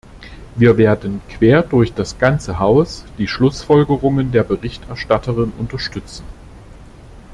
Wir werden, quer durch das ganze Haus, die Schlussfolgerungen der Berichterstatterin unterstützen.